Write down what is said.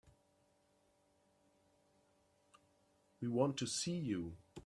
We want to see you.